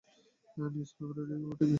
Newspaper, radio, TV.